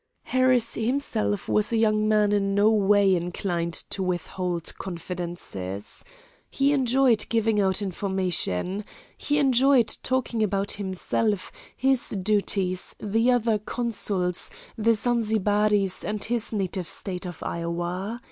Harris himself was a young man in no way inclined to withhold confidences. He enjoyed giving out information. He enjoyed talking about himself, his duties, the other consuls, the Zanzibaris, and his native State of Iowa.